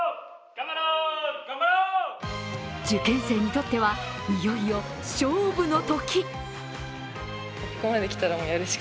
受験生にとっては、いよいよ勝負の時。